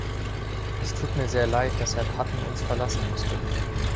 Es tut mir sehr leid, dass Herr Patten uns verlassen musste.